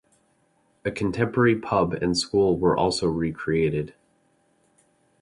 A contemporary pub and school were also recreated.